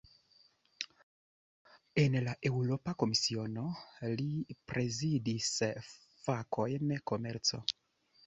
En la Eŭropa Komisiono, li prezidis la fakojn "komerco".